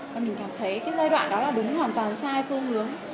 và mình cảm thấy cái giai đoạn đó là đúng hoàn toàn sai phương hướng